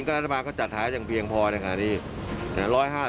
ก็รัฐบาลก็จัดหาอย่างเพียงพอในขณะนี้